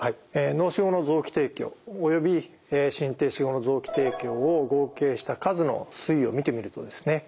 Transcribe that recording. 脳死後の臓器提供および心停止後の臓器提供を合計した数の推移を見てみるとですね